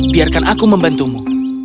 biarkan aku membantumu